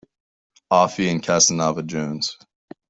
Afi and Casanova Jones.